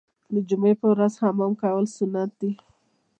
د جمعې په ورځ حمام کول سنت دي.